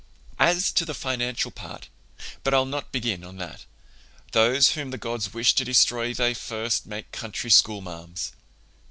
"As to the financial part—but I'll not begin on that. Those whom the gods wish to destroy they first make country schoolmarms!